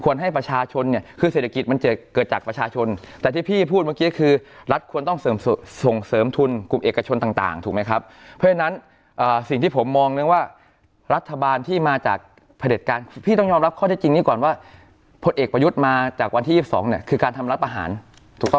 ให้ประชาชนเนี่ยคือเศรษฐกิจมันจะเกิดจากประชาชนแต่ที่พี่พูดเมื่อกี้คือรัฐควรต้องเสริมส่งเสริมทุนกลุ่มเอกชนต่างถูกไหมครับเพราะฉะนั้นสิ่งที่ผมมองเรื่องว่ารัฐบาลที่มาจากผลิตการพี่ต้องยอมรับข้อที่จริงนี้ก่อนว่าพลเอกประยุทธ์มาจากวันที่๒๒เนี่ยคือการทำรัฐอาหารถูกต้อง